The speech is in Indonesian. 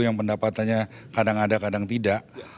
yang pendapatannya kadang ada kadang tidak